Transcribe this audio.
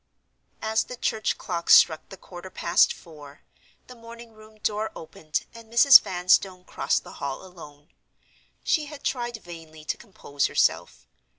As the church clock struck the quarter past four, the morning room door opened; and Mrs. Vanstone crossed the hall alone. She had tried vainly to compose herself.